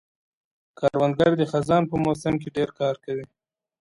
کروندګر د خزان په موسم کې ډېر کار کوي